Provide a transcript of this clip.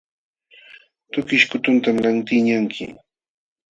Tukish kutuntam lantiqñanki.